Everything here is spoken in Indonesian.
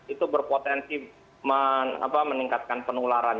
itu berpotensi meningkatkan penularan